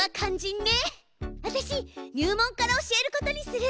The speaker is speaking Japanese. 私入門から教えることにする。